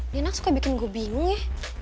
dia enak suka bikin gue bingung ya